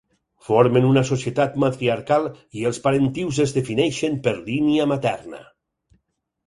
Formen una societat matriarcal i els parentius es defineixen per línia materna.